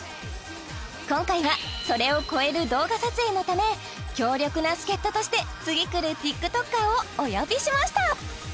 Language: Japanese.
今回はそれを超える動画撮影のため強力な助っ人として次くるＴｉｋＴｏｋｅｒをお呼びしました